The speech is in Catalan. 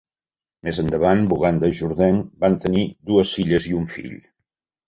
Més endavant Boganda i Jourdain van tenir dues filles i un fill.